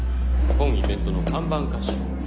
本イベントの看板歌手。